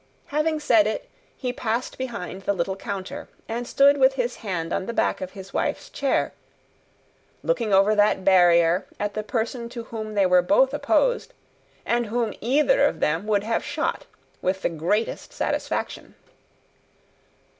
Having said it, he passed behind the little counter, and stood with his hand on the back of his wife's chair, looking over that barrier at the person to whom they were both opposed, and whom either of them would have shot with the greatest satisfaction.